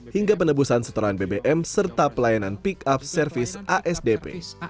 hingga penebusan setoran bbm serta pelayanan pick up service asdp